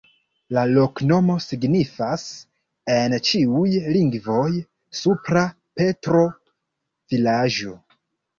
La loknomo signifas en ĉiuj lingvoj: supra-Petro-vilaĝo.